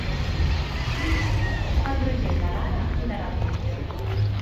Dissabte en Roger i na Lara iran al metge.